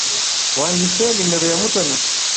Wanditse numero ya Mutoni?